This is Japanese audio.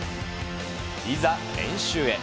いざ練習へ。